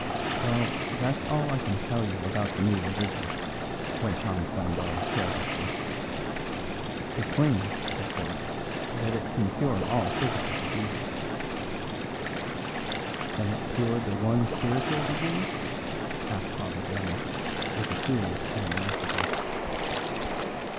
"Well, that's all I can tell you about the new religion," went on Flambeau carelessly. "It claims, of course, that it can cure all physical diseases." "Can it cure the one spiritual disease?" asked Father Brown, with a serious curiosity.